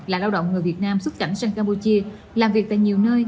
là lao động người việt nam xuất cảnh sang campuchia làm việc tại nhiều nơi